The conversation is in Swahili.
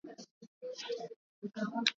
Idadi ya mifugo wanaoathiriwa katika kundi